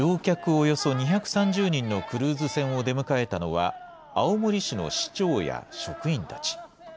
およそ２３０人のクルーズ船を出迎えたのは、青森市の市長や職員たち。